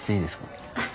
あっ。